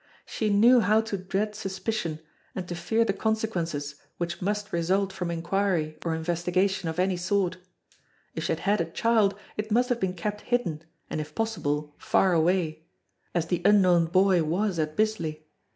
She knew how to dread suspicion and to fear the consequences which must result from inquiry or investigation of any sort. If she had had a child it must have been kept hidden, and if possible far away as the unknown Boy was at Bisley.